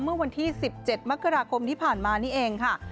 เมื่อวันที่๑๗มกราคมที่ผ่านมานี่เองค่ะ